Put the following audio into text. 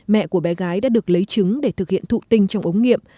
mẹ của bé gái đã được lấy trứng để thực hiện thụ tinh trong ống nghiệm